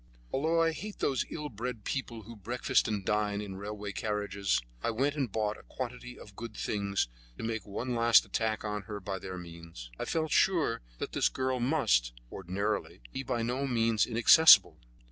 Although I hate those ill bred people who breakfast and dine in railway carriages, I went and bought a quantity of good things to make one last attack on her by their means. I felt sure that this girl must, ordinarily, be by no means inaccessible.